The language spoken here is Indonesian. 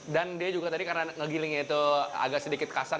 dan dia juga tadi karena ngegilingnya itu agak sedikit kasar